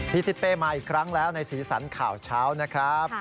ทิศเป้มาอีกครั้งแล้วในสีสันข่าวเช้านะครับ